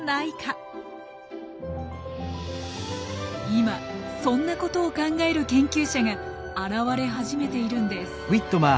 今そんなことを考える研究者が現れ始めているんです。